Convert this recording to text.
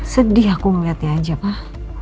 sedih aku melihatnya aja pak